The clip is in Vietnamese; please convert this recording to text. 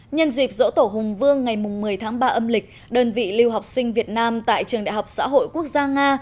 nhân dịp dỗ tổ hùng vương ngày một mươi tháng ba âm lịch đơn vị lưu học sinh việt nam tại trường đại học xã hội quốc gia nga